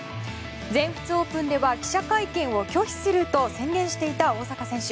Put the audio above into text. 全仏オープンでは記者会見を拒否すると宣言していた大坂選手。